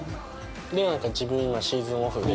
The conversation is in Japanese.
で自分今シーズンオフで。